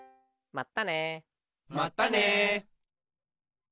まったね。